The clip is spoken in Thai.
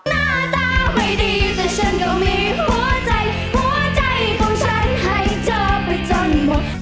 หน้าตาไม่ดีแต่ฉันก็มีหัวใจหัวใจของฉันให้เธอไปจนหมด